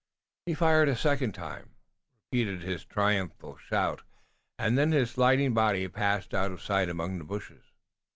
He fired a second time, repeated his triumphant shout and then his sliding body passed out of sight among the bushes.